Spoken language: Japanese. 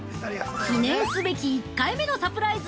◆記念すべき１回目のサプライズ